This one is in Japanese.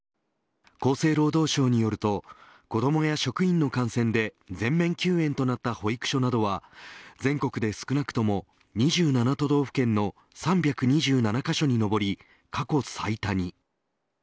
厚生労働省によると子どもや職員の感染で全面休園となった保育所などは全国で少なくとも２７都道府県の３２７カ所に上り過去最多に。